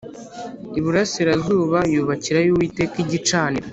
iburasirazuba yubakirayo uwiteka igicaniro